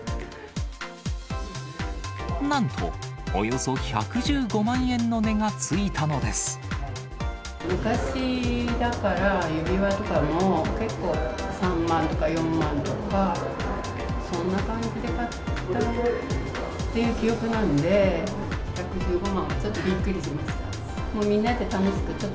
なんとおよそ１１５万円の値昔だから、指輪とかも結構、３万とか４万とか、そんな感じで買ったっていう記憶なんで、１１５万はちょっとびっくりしました。